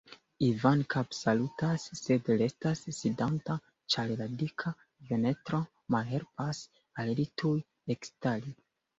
Ivan kapsalutas, sed restas sidanta, ĉar la dika ventro malhelpas al li tuj ekstari.